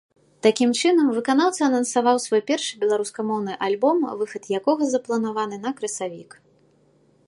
Такім чынам выканаўца анансаваў свой першы беларускамоўны альбом, выхад якога запланаваны на красавік.